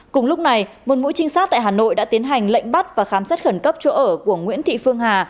cùng lúc này một mũi trinh sát tại hà nội đã tiến hành lệnh bắt và khám xét khẩn cấp chỗ ở của nguyễn thị phương hà